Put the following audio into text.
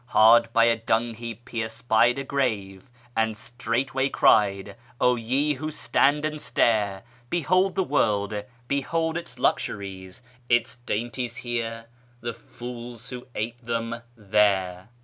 Hard by a dung heap he espied a grave, And straightway cried, ' O ye who stand and stare. Behold the world ! Behold its luxuries ! Its dainties, here — the fools who ate them, there